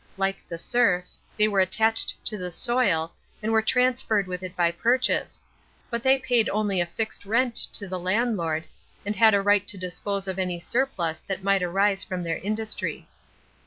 Like the serfs, they were attached to the soil, and were transferred with it by purchase; but they paid only a fixed rent to the landlord, and had a right to dispose of any surplus that might arise from their industry.